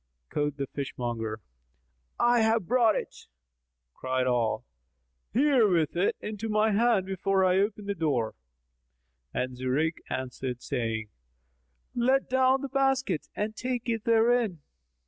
Quoth the fishmonger, "I have brought it." Cried Ali, "Here with it into my hand before I open the door;" and Zurayk answered, saying, "Let down the basket and take it therein."